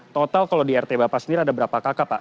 total kalau di rt bapak sendiri ada berapa kakak pak